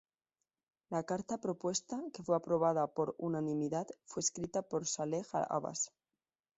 La carta propuesta, que fue aprobada por unanimidad, fue escrita por Salleh Abas.